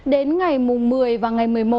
đến ngày một mươi và ngày một mươi một